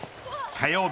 火曜日